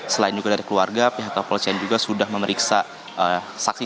selain juga dari keluarga pihak kepolisian juga sudah memeriksa saksi